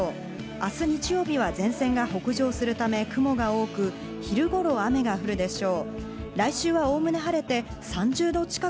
あす日曜日は前線が北上するため雲が多く、昼頃、雨が降るでしょう。